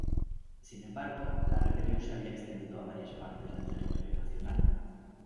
Sin embargo, la rebelión se había extendido a varias partes del territorio nacional.